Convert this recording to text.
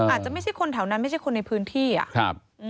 อาจจะไม่ใช่คนแถวนั้นไม่ใช่คนในพื้นที่อ่ะครับ